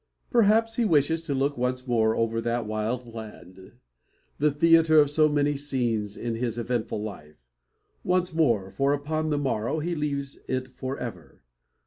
Perhaps he wishes to look once more over that wild land, the theatre of so many scenes in his eventful life; once more, for upon the morrow he leaves it for ever.